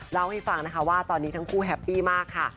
เล่าให้ฟังนะคะว่าตอนนี้ทั้งคู่แฮปปี้มากค่ะ